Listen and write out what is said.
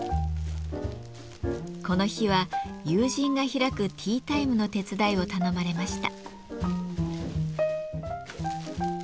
この日は友人が開くティータイムの手伝いを頼まれました。